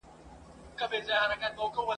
جهاني اوس دي سندري لکه ساندي پر زړه اوري ,